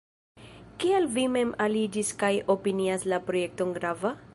Kial vi mem aliĝis kaj opinias la projekton grava?